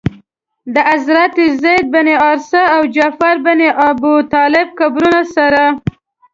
د حضرت زید بن حارثه او جعفر بن ابي طالب قبرونو سره.